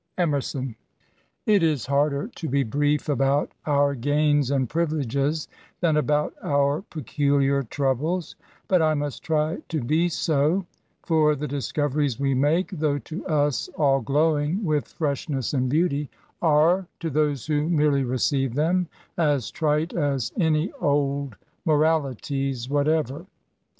Embrsok. It is harder to be brief about our gains and privileges than about our peculiar troubles : but I must try to be so ; for the discoveries we make, though to us all glowing with freshness and beauty, are, to those who merely receive them, as trite as any old moralities whatever.